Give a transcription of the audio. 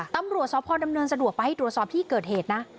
ตำรวจสพดำเนินสะดวกไปให้ตรวจสอบที่เกิดเหตุนะ